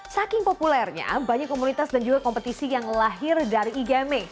saking populernya banyak komunitas dan juga kompetisi yang lahir dari igma